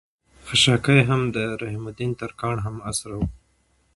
خشاکے هم د رحم الدين ترکاڼ هم عصر شاعر وو